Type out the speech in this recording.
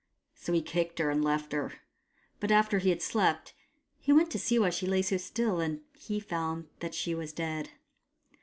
So he kicked her, and left her. But after he had slept, he went to see why she lay so still ; and he found that she was dead.